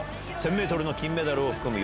１０００メートルの金メダルを含む